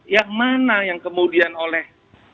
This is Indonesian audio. yang mana yang kemudian oleh